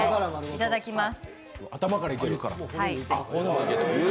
いただきます。